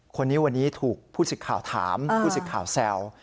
คนนี้วันนี้ถูกผู้สิทธิ์ข่าวถามผู้สิทธิ์ข่าวแซว